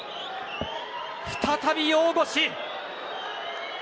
再び大腰。